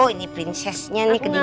ini prinsesnya nih kedinginan